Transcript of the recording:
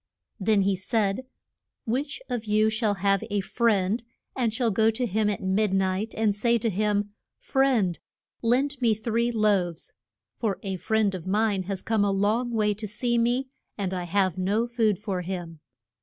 ] Then he said, Which of you shall have a friend and shall go to him at mid night and say to him, Friend, lend me three loaves: for a friend of mine has come a long way to see me, and I have no food for him.